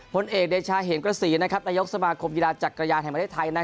ผลเอกเดชาเหงกะศรีนายกสมาคมกีฬาจักรยานไทย